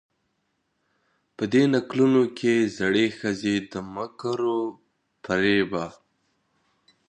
په دې نکلونو کې زړې ښځې د مکرو و فرېبه